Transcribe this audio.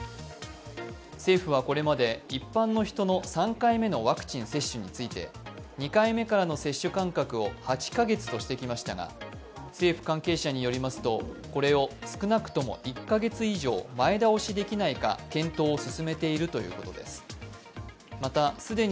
政府はこれまで一般の人の３回目のワクチン接種について２回目からの接種間隔を８カ月としてきましたが、政府関係者によりますとこれを少なくとも１カ月以上、前倒しできないか検討を進めているということです。